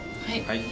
はい。